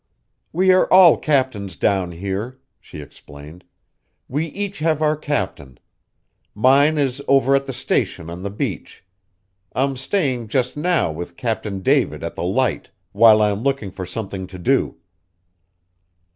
"We are all captains down here," she explained, "we each have our captain. Mine is over at the Station on the beach. I'm staying just now with Captain David at the Light, while I'm looking for something to do."